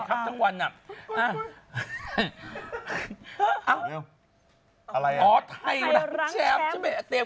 คุณไม่ค่อยได้พักหรือ